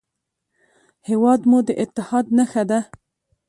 هېواد مو د اتحاد نښه ده